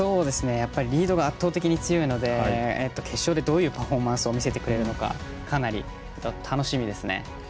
やっぱり、リードが圧倒的に強いので決勝でどういうパフォーマンスを見せてくれるのかかなり楽しみですね。